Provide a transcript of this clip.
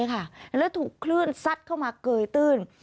แล้วถูกคลื่นซัดเข้ามาเกยตื้น